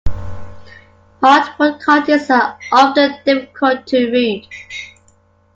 Hardwood cuttings are often difficult to root.